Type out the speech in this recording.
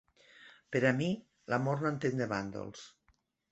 Per a mi, l'amor no entén de bàndols.